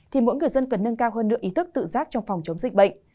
thì mỗi người dân cần nâng cao hơn nữa ý thức tự giác trong phòng chống dịch bệnh